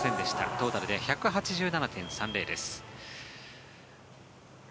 トータルで１８７．３０です。